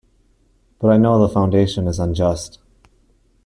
But I know the foundation is unjust.